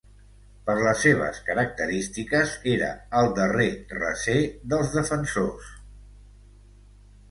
Per les seves característiques era el darrer recer dels defensors.